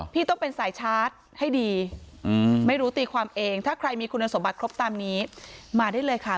พี่ต้องเป็นสายชาร์จให้ดีไม่รู้ตีความเองถ้าใครมีคุณสมบัติครบตามนี้มาได้เลยค่ะ